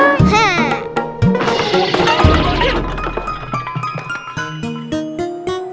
siapa sih yang bantu sekarang